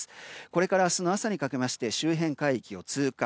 これから明日の朝にかけまして周辺海域を通過。